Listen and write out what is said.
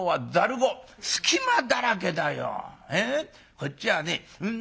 こっちはね